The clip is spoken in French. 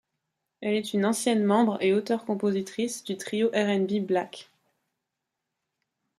Elle est une ancienne membre et auteur-compositrice du trio RnB Blaque.